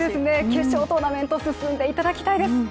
決勝トーナメント、進んでいただきたいです。